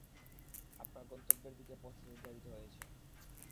আপনার গন্তব্যের দিকে পথ নির্ধারিত হয়েছে।